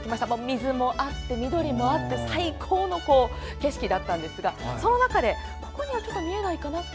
水もあって緑もあって最高の景色だったんですがその中で、ここには見えないかな。